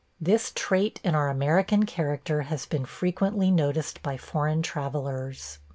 This trait in our American character has been frequently noticed by foreign travelers.